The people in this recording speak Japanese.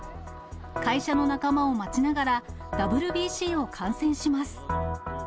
会社の仲間を待ちながらＷＢＣを観戦します。